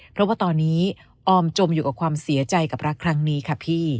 เพราะว่าตอนนี้ออมจมอยู่กับความเสียใจกับรักครั้งนี้ค่ะพี่